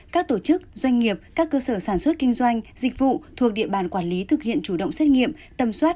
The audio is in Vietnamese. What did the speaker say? các tổ chức doanh nghiệp các cơ sở sản xuất kinh doanh dịch vụ thuộc địa bàn quản lý thực hiện chủ động xét nghiệm tầm soát